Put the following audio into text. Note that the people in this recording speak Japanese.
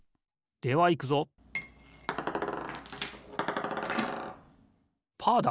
ではいくぞパーだ！